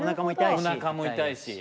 おなかも痛いし。